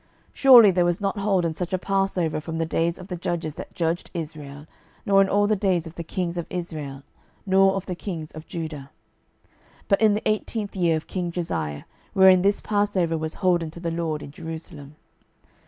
12:023:022 Surely there was not holden such a passover from the days of the judges that judged Israel, nor in all the days of the kings of Israel, nor of the kings of Judah; 12:023:023 But in the eighteenth year of king Josiah, wherein this passover was holden to the LORD in Jerusalem.